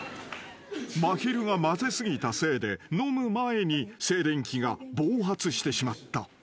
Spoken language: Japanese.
［まひるが混ぜ過ぎたせいで飲む前に静電気が暴発してしまった］